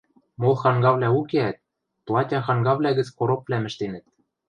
Мол хангавлӓ укеӓт, платя хангавлӓ гӹц коропвлӓм ӹштенӹт...